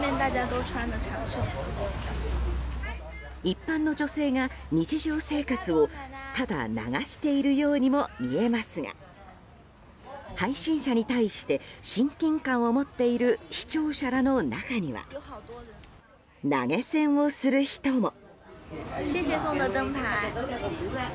一般の女性が日常生活をただ流しているようにも見えますが配信者に対して親近感を持っている視聴者らの中には投げ銭をする人も。